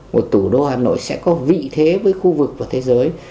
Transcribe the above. một thủ đô hà nội sẽ có vị thế với khu vực và thế giới